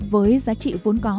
với giá trị vốn có